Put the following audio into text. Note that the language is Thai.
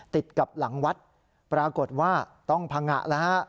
ติดกับหลังวัดปรากฏว่าต้องพังงะแล้วฮะ